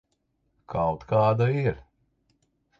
Kaut kāda ir.